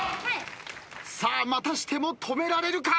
さあまたしても止められるか？